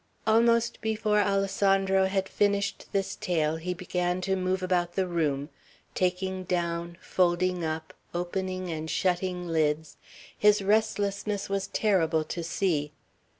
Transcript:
Almost before Alessandro had finished this tale, he began to move about the room, taking down, folding up, opening and shutting lids; his restlessness was terrible to see.